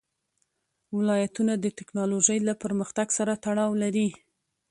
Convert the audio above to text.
ولایتونه د تکنالوژۍ له پرمختګ سره تړاو لري.